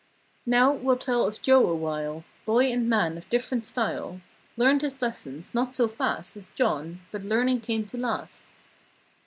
Now we'll tell of Joe awhile: Boy and man of dif'rent style Learned his lessons, not so fast As John; but learning came to last.